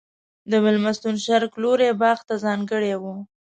د مېلمستون شرق لوری باغ ته ځانګړی و.